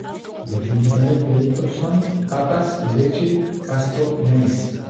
Los principales productos son: papas, leche, pasto, maíz.